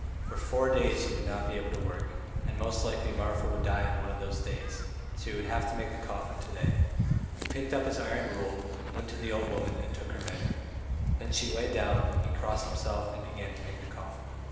For four days he would not be able to work, and most likely Marfa would die on one of those days; so he would have to make the coffin to day. He picked up his iron rule, went up to the old woman and took her measure. Then she lay down, and he crossed himself and began making the coffin.